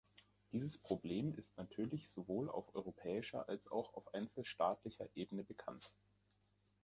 Dieses Problem ist natürlich sowohl auf europäischer als auch auf einzelstaatlicher Ebene bekannt.